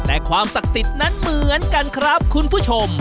แต่ความศักดิ์สิทธิ์นั้นเหมือนกันครับคุณผู้ชม